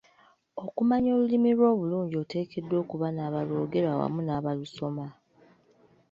Okumanya olulimi lwo obulungi oteekeddwa okuba n'abalwogera wamu n'abaalusoma.